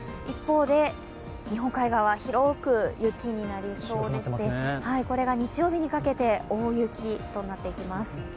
一方で日本海側、広く雪になりそうでして、これが日曜日にかけて大雪となっていきます。